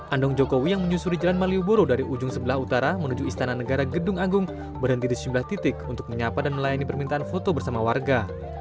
andong jokowi yang menyusuri jalan malioboro dari ujung sebelah utara menuju istana negara gedung agung berhenti di sejumlah titik untuk menyapa dan melayani permintaan foto bersama warga